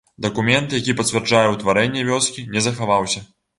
Дакумент, які пацвярджае ўтварэнне вёскі, не захаваўся.